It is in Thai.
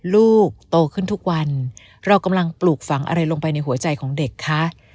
ลูกโตขึ้นทุกวันเรากำลังปลูกฝังอะไรลงไปในหัวใจของเด็กคะ